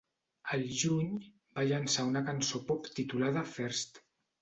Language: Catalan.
Al juny, va llançar una cançó pop titulada "First".